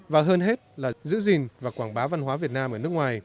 và hơn hết là giữ gìn và quảng bá văn hóa việt nam ở nước ngoài